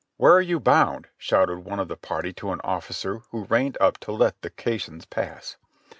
"Where are you bound?" shouted one of the party to an officer who reined up to let the caissons pass.